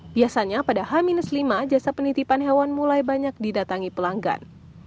biasanya pada h lima jasa penitipan hewan mulai banyak didatangi pelanggan